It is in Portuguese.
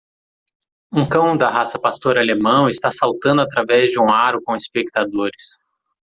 Um cão da raça pastor alemão está saltando através de um aro com espectadores.